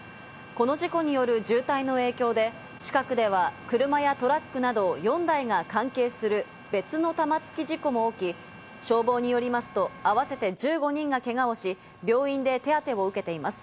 この事故による渋滞の影響で、近くでは車やトラックなど４台が関係する別の玉突き事故も起き、消防によりますと、合わせて１５人がけがをし、病院で手当を受けています。